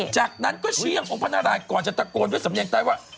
จากนั้นก็ชี้ออกเป้าหมอพระนารายก่อนจะตะโกนแค่สำเร็จใจว่า